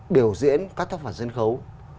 điều diễn các tác phẩm sân khấu